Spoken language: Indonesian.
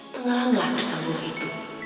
tenggelamlah keseluruh itu